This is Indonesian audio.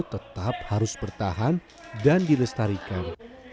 tetap harus bertahan dan dilestarikan